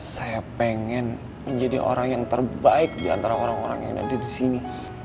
saya pengen menjadi orang yang terbaik diantara orang orang yang ada di sini